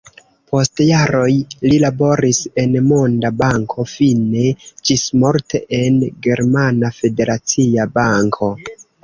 Post jaroj li laboris en Monda Banko, fine ĝismorte en Germana Federacia Banko.